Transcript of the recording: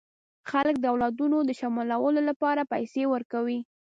خلک د اولادونو د شاملولو لپاره پیسې ورکوي.